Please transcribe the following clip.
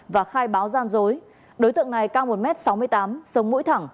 và khai báo gian dối đối tượng này cao một m sáu mươi tám sống mũi thẳng